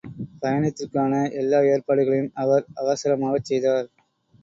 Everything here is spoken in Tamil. பயணத்திற்கான எல்லா ஏற்பாடுகளையும் அவர் அவசரமாகச் செய்தார்.